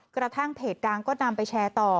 กระทั่งเพจดังก็นำไปแชร์ต่อ